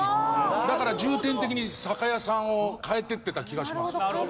だから重点的に酒屋さんを変えていっていた気がします。